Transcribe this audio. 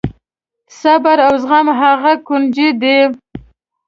صبر او زغم هغه کونجي ده.